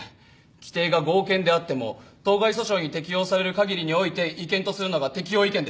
規定が合憲であっても当該訴訟に適用される限りにおいて違憲とするのが適用違憲です。